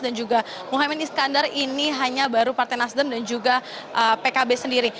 dan juga mohaimin iskandar ini hanya baru partai nasdem dan juga pkb sendiri